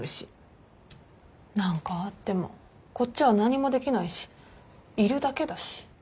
何かあってもこっちは何もできないしいるだけだし。